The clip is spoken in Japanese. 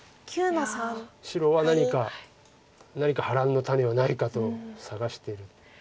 白は何か波乱の種はないかと探してる。